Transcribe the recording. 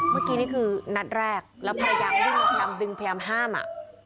เมื่อกี้นี่คือนัดแรกแล้วภรรยาวิ่งพยายามดึงพยายามห้ามอ่ะ